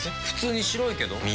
普通に白いけど。